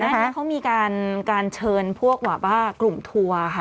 ก่อนมีการการเชิญพวกว่ากลุ่มทัวร์ค่ะ